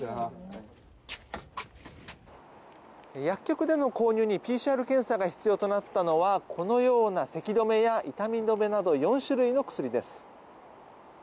薬局での購入にＰＣＲ検査が必要となったのはこのようなせき止めや痛み止めなど４種類の薬です。